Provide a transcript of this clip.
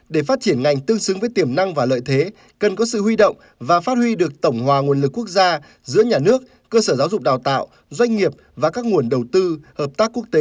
để phát triển ngành tương xứng với tiềm năng và lợi thế cần có sự huy động và phát huy được tổng hòa nguồn lực quốc gia giữa nhà nước cơ sở giáo dục đào tạo doanh nghiệp và các nguồn đầu tư hợp tác quốc tế